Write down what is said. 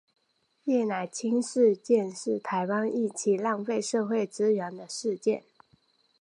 叶乃菁事件是台湾一起浪费社会资源的事件。